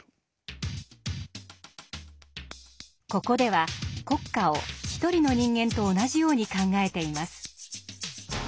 ここでは国家を一人の人間と同じように考えています。